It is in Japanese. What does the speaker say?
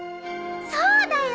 そうだよ！